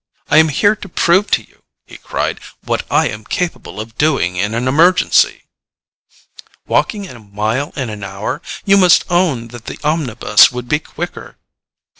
"I am here to prove to you," he cried, "what I am capable of doing in an emergency!" "Walking a mile in an hour—you must own that the omnibus would be quicker!"